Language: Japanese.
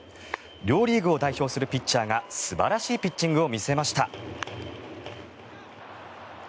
両リーグを代表するピッチャーが素晴らしいピッチングを見せました。